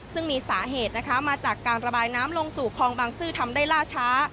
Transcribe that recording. ซึ่งมีสาเหตุนะคะมาจากการระบายน้ำลงสู่คลองบางซื่อทำได้ล่าช้า